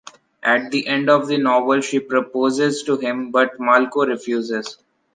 At the end of the novel, she proposes to him, but Malko refuses.